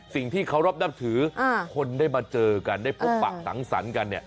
สิ่งที่เคารพนับถือคนได้มาเจอกันได้พบปะสังสรรค์กันเนี่ย